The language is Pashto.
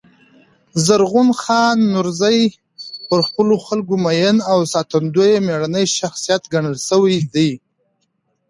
زرغون خان نورزي پر خپلو خلکو مین او ساتندوی مېړنی شخصیت ګڼل سوی دﺉ.